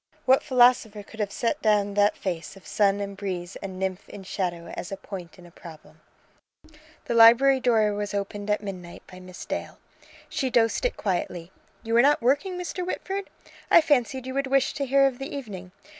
What philosopher could have set down that face of sun and breeze and nymph in shadow as a point in a problem? The library door was opened at midnight by Miss Dale. She dosed it quietly. "You are not working, Mr. Whitford? I fancied you would wish to hear of the evening.